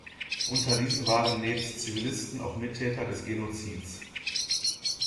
Unter diesen waren nebst Zivilisten auch Mittäter des Genozids.